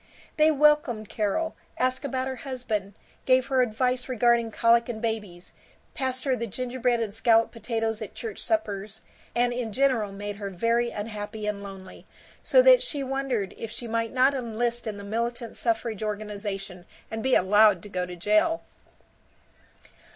They welcomed Carol, asked about her husband, gave her advice regarding colic in babies, passed her the gingerbread and scalloped potatoes at church suppers, and in general made her very unhappy and lonely, so that she wondered if she might not enlist in the militant suffrage organization and be allowed to go to jail.